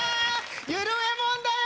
ゆるえもんだよ！